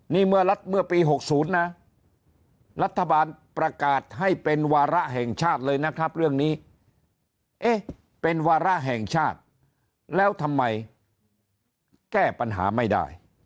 นี่เมื่อปี๖๐นะรัฐบาลประกาศให้เป็นวาระแห่งชาติเลยนะครับเรื่องนี้เอ๊ะเป็นวาระแห่งชาติแล้วทำไมแก้ปัญหาไม่ได้